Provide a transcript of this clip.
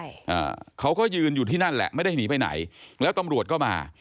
อ่าเขาก็ยืนอยู่ที่นั่นแหละไม่ได้หนีไปไหนแล้วตำรวจก็มา